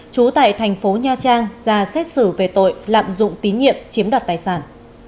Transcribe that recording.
trú tại tp nha trang ra xét xử về tội lạm dụng tín nhiệm chiếm đoạt tài sản